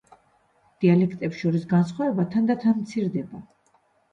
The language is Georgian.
დიალექტებს შორის განსხვავება თანდათან მცირდება.